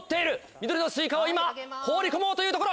緑のスイカを今放り込もうというところ。